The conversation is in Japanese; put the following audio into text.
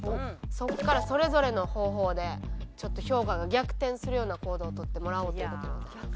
そこからそれぞれの方法でちょっと評価が逆転するような行動を取ってもらおうという事でございます。